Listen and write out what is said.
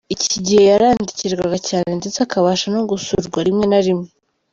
Iki gihe yarandikirwaga cyane ndetse akabasha no gusurwa rimwe na rimwe.